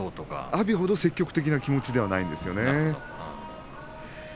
阿炎ほど積極的な気持ちじゃないんですよね。